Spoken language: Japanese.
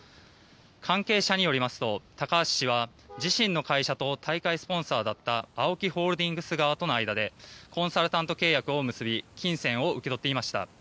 関係者によりますと高橋氏は、自身の会社と大会スポンサーだったＡＯＫＩホールディングス側との間でコンサルタント契約を結び金銭を受け取っていました。